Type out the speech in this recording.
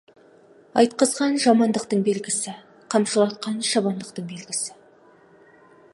Айтқызған — жамандықтың белгісі, қамшылатқан — шабандықтың белгісі.